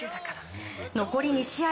残り２試合。